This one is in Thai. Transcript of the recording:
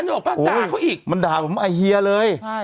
ในบ้างด่าเค้าอีกมันด่าผมอะไรเยอะเลย